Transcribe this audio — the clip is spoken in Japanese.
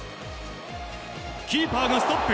キーパーがストップ。